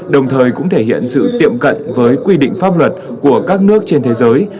đồng thời cũng thể hiện sự tiệm cận với quy định pháp luật của các nước trên thế giới